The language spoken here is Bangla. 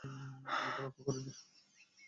আমি তো লক্ষ্যও করিনি।